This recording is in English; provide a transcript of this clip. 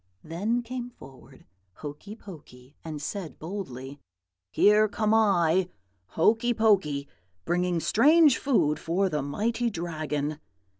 Then came forward Hokey Pokey, and said boldly, "'Here come I, Hokey Pokey, bringing strange food for the mighty Dragon.'